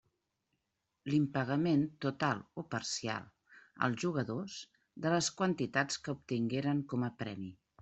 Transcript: L'impagament total o parcial, als jugadors, de les quantitats que obtingueren com a premi.